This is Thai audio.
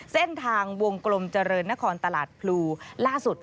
เส้นทางวงกลมเจริญนครตลาดพลูล่าสุด